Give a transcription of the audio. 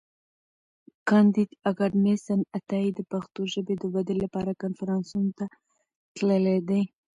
کانديد اکاډميسن عطایي د پښتو ژبي د ودي لپاره کنفرانسونو ته تللی دی.